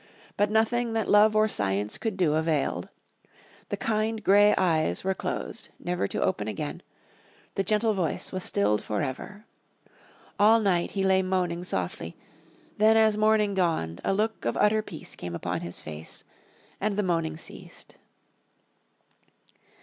But nothing that love or science could do availed. The kind grey eyes were closed never to open again, the gentle voice was stilled forever. All night he lay moaning softly, then as morning dawned a look of utter peace came upon his face and the moaning ceased.